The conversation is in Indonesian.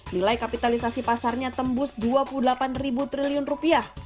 nilai kapitalisasi pasarnya tembus dua puluh delapan triliun rupiah